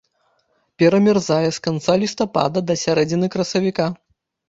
Перамярзае з канца лістапада да сярэдзіны красавіка.